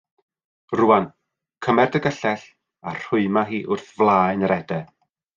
Rwan, cymer dy gyllell a rhwyma hi wrth flaen yr ede.